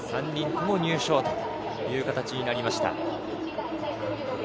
３人とも入賞という形になりました。